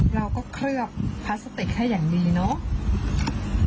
เราก็เคลือบพลาสติกให้อย่างดีเนาะ